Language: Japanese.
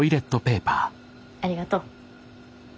ありがとう。